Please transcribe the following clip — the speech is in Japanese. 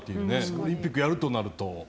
オリンピックをやるとなると。